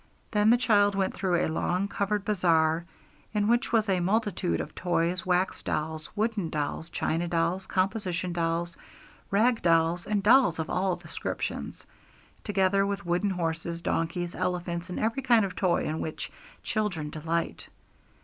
Then the child went through a long covered bazaar, in which was a multitude of toys, wax dolls, wooden dolls, china dolls, composition dolls, rag dolls, and dolls of all descriptions; together with wooden horses, donkeys, elephants, and every kind of toy in which children delight.